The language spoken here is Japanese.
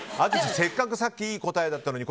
せっかくさっきいい答えだったのに。